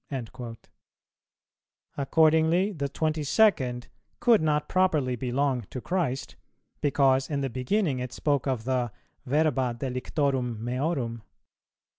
"[289:2] Accordingly the twenty second could not properly belong to Christ, because in the beginning it spoke of the "verba delictorum meorum."